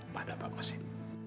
pada pak kusin